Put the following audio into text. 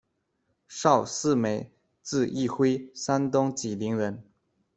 邵士梅，字峄晖，山东济宁人。